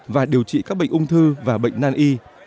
và điều trị các bệnh ung thư và bệnh nan y